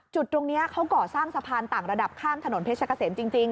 จุดตรงนี้เขาก่อสร้างสะพานต่างระดับข้ามถนนเพชรเกษมจริง